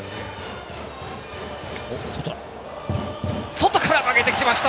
外から曲げてきました！